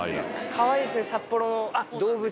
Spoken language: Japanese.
かわいいですね、札幌の動物